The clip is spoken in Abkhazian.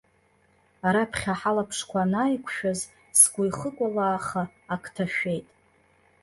Раԥхьа ҳалаԥшқәа анааиқәшәаз, сгәы ихыкәалааха ак ҭашәеит.